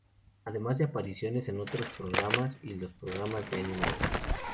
Además de apariciones en otros programas y los programas de año nuevo.